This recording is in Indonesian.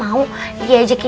pak ustadz diajakin aja gak mau